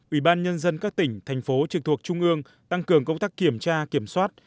ủy ban nhân dân các tỉnh thành phố trực thuộc trung ương tăng cường công tác kiểm tra kiểm soát